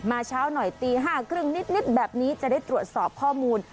มาเช้าหน่อยตีห้าครึ่งนิดนิดแบบนี้จะได้ตรวจสอบข้อมูล